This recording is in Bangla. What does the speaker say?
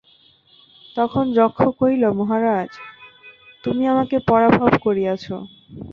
তখন যক্ষ কহিল মহারাজ তুমি আমাকে পরাভব করিয়াছ।